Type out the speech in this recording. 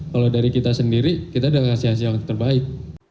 kalau dari kita sendiri kita sudah kasih hasil waktu terbaik